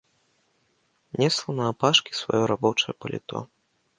Несла наапашкі сваё рабое паліто.